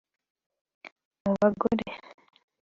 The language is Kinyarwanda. Mu bagore